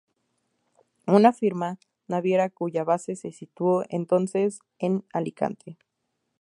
Una firma naviera cuya base se situó entonces en Alicante.